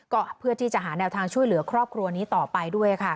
ก็เพื่อที่จะหาแนวทางช่วยเหลือครอบครัวนี้ต่อไปด้วยค่ะ